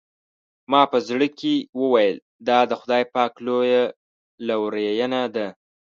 ما په زړه کې وویل دا د خدای پاک لویه لورېینه ده.